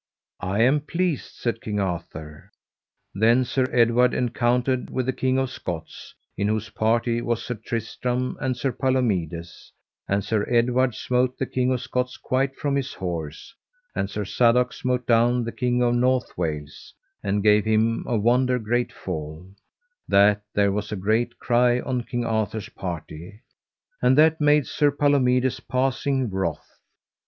I am pleased, said King Arthur. Then Sir Edward encountered with the King of Scots, in whose party was Sir Tristram and Sir Palomides; and Sir Edward smote the King of Scots quite from his horse, and Sir Sadok smote down the King of North Wales, and gave him a wonder great fall, that there was a great cry on King Arthur's party, and that made Sir Palomides passing wroth.